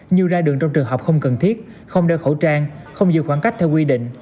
như ra đường trong trường hợp không cần thiết không đeo khẩu trang không giữ khoảng cách theo quy định